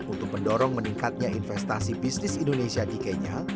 untuk mendorong meningkatnya investasi bisnis indonesia di kenya